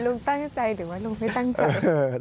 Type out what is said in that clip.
ลุงตั้งใจหรือว่าลุงไม่ตั้งใจ